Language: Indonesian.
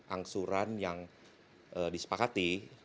angsuran yang disepakati